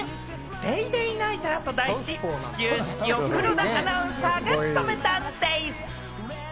「ＤａｙＤａｙ．ナイター」と題し、始球式を黒田アナウンサーが務めたんでぃす！